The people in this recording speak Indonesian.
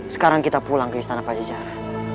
sekarang kita pulang ke istana pajajar